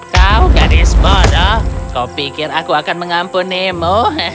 kau gadis bodoh kau pikir aku akan mengampunimu